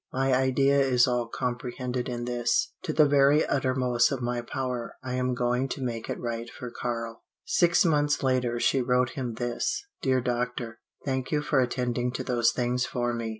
My idea is all comprehended in this: To the very uttermost of my power, I am going to make it right for Karl." Six months later she wrote him this: "Dear Doctor: Thank you for attending to those things for me.